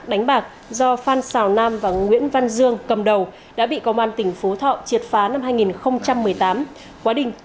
đánh bạc do phan xào nam và nguyễn văn dương cầm đầu đã bị công an tỉnh phố thọ triệt phá năm hai nghìn một mươi tám